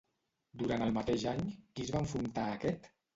Durant el mateix any, qui es va enfrontar a aquest?